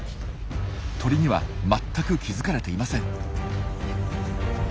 鳥には全く気付かれていません。